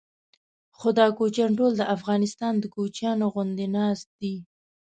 خو دا کوچیان ټول د افغانستان د کوچیانو غوندې ناست دي.